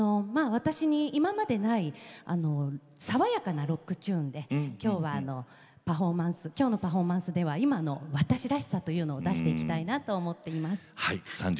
今までない爽やかなロックチューンできょうのパフォーマンスでは今の私らしさというものを出していきたいなと思っています。